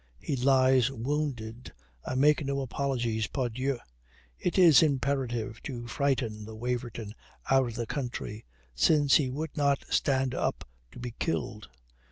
He lies wounded. I make no apology, pardieu! It is imperative to frighten the Waverton out of the country since he would not stand up to be killed.